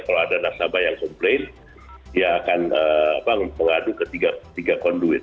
kalau ada nasabah yang komplain dia akan mengadu ketiga conduit